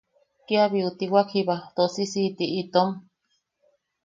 Kia biutiwak jiba tosisiʼiti itom.